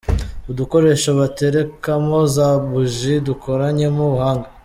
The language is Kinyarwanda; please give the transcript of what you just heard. Udukoresho baterekamo za bougie dukoranyemo ubuhanga.